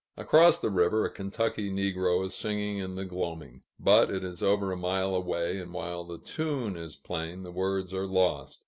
Across the river, a Kentucky negro is singing in the gloaming; but it is over a mile away, and, while the tune is plain, the words are lost.